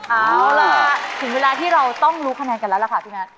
เอาล่ะถึงเวลาที่เราต้องรู้คะแนนกันแล้วล่ะค่ะพี่นัท